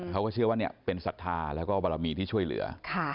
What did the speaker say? เขาก็เชื่อว่าเป็นศรัทธาแล้วก็บารมีที่ช่วยเหลือ